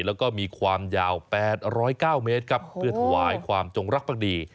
แล้วก็มีความยาว๘๐๙เมตรครับเพื่อถวายความจงรักภักดี